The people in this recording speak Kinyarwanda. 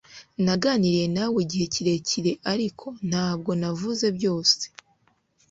naganiriye nawe igihe kirekire ariko, ntabwo navuze byose